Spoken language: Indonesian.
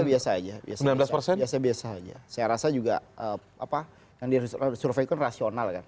biasa aja biasa biasa aja saya rasa juga apa yang disurvey kan rasional kan